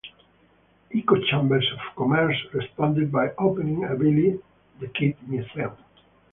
Hico Chamber of Commerce responded by opening a Billy The Kid Museum.